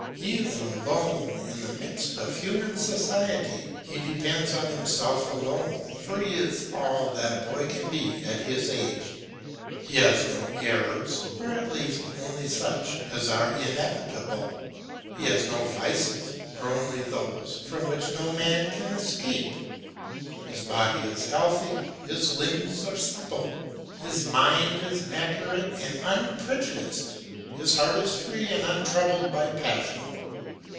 He is alone in the midst of human society, he depends on himself alone, for he is all that a boy can be at his age. He has no errors, or at least only such as are inevitable; he has no vices, or only those from which no man can escape. His body is healthy, his limbs are supple, his mind is accurate and unprejudiced, his heart is free and untroubled by passion.